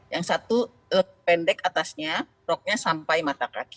yang satu pendek atasnya roknya sampai mata kaki